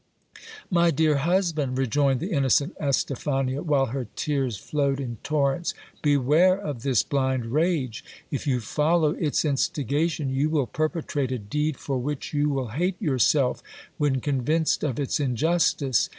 My dear husband, rejoined the innocent Estephania, while her tears flowed in torrents, beware of this blind rage. If you follow its instigation, you will perpetrate a deed for which you will hate yourself, when convinced of its injustice.